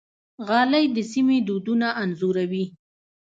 غالۍ د سیمې دودونه انځوروي.